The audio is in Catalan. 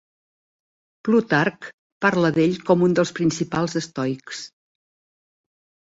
Plutarc parla d'ell com un dels principals estoics.